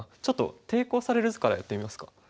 ちょっと抵抗される図からやってみますか。